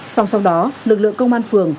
xong xong đó lực lượng công an phường